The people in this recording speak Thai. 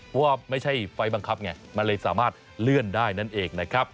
เพราะว่าไม่ใช่ไฟล์บังคับไงมันเลยสามารถเลื่อนได้นั่นเองนะครับ